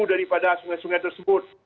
daripada sungai sungai tersebut